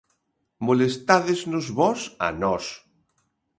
Molestádesnos vós a nós.